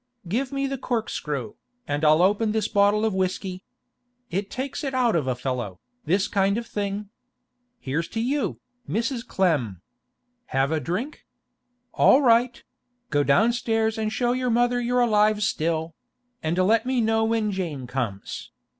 'Give me the corkscrew, and I'll open this bottle of whisky. It takes it out of a fellow, this kind of thing. Here's to you, Mrs. Clem! Have a drink? All right; go downstairs and show your mother you're alive still; and let me know when Jane comes.